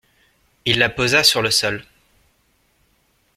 Il la posa sur le sol.